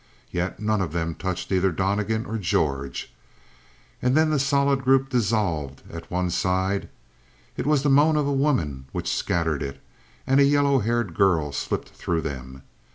Yet none of them touched either Donnegan or George. And then the solid group dissolved at one side. It was the moan of a woman which had scattered it, and a yellow haired girl slipped through them.